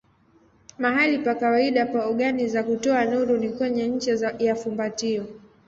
Mahali pa kawaida pa ogani za kutoa nuru ni kwenye ncha ya fumbatio.